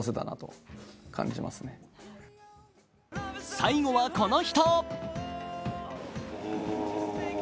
最後はこの人。